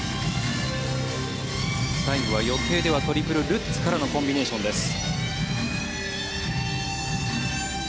最後は予定ではトリプルルッツからのコンビネーションです。